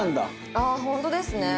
ああホントですね。